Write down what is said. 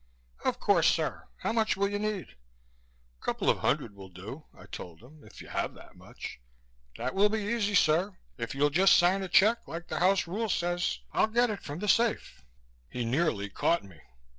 "Of course, sir. How much will you need?" "A couple of hundred will do," I told him, "if you have that much." "That will be easy, sir. If you'll just sign a check, like the house rules says, I'll get it from the safe." He nearly caught me.